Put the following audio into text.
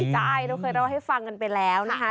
ใช่เราเคยเล่าให้ฟังกันไปแล้วนะคะ